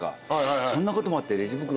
そんなこともあってレジ袋